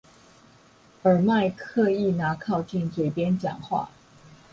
耳麥刻意拿靠近嘴邊講話